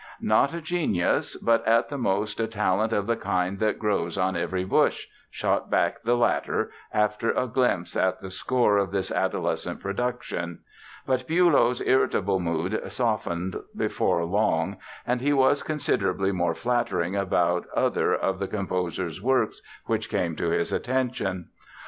"Not a genius, but at the most a talent of the kind that grows on every bush," shot back the latter after a glimpse at the score of this adolescent production. But Bülow's irritable mood softened before long and he was considerably more flattering about other of the composer's works which came to his attention.